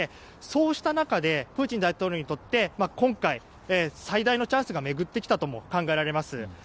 そうした中でプーチン大統領にとって今回、最大のチャンスが巡ってきたとも考えられます。